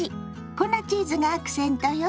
粉チーズがアクセントよ。